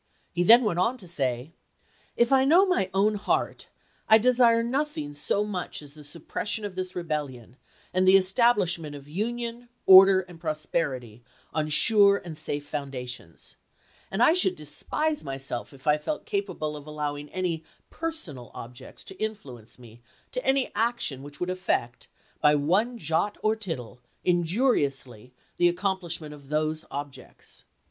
He then went on to say :" If I know my own heart, I desire nothing so much as the suppression of this rebelhon and the establishment of union, order, and prosperity on sure and safe foundations; and I should despise myself if I felt capable of allowing any personal objects to influence me to any action which would affect, by one jot or tittle, injuriously, the accomplishment of those objects.